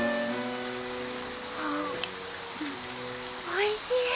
おいしい。